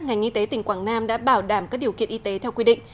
ngành y tế tỉnh quảng nam đã bảo đảm các điều kiện y tế theo quy định